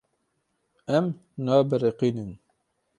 Em nabiriqînin.